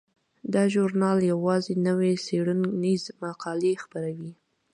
دا ژورنال یوازې نوې څیړنیزې مقالې خپروي.